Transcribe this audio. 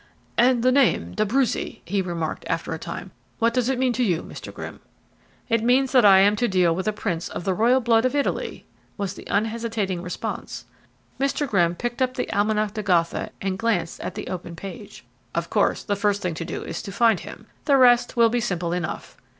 "And the name, D'Abruzzi," he remarked, after a time. "What does it mean to you, Mr. Grimm?" "It means that I am to deal with a prince of the royal blood of Italy," was the unhesitating response. Mr. Grimm picked up the Almanac de Gotha and glanced at the open page. "Of course, the first thing to do is to find him; the rest will be simple enough."